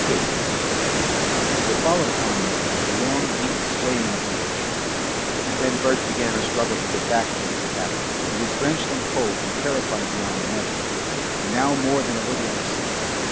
2 There followed upon these things a long, deep swaying of the airship, and then Bert began a struggle to get back to his cabin. He was drenched and cold and terrified beyond measure, and now more than a little air sick.